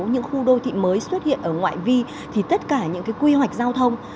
những khu đô thị mới xuất hiện ở ngoại vi thì tất cả những cái quy hoạch giao thông